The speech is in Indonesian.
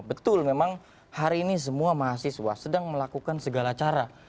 betul memang hari ini semua mahasiswa sedang melakukan segala cara